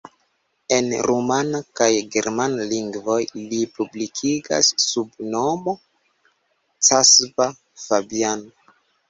En rumana kaj germana lingvoj li publikigas sub nomo Csaba Fabian.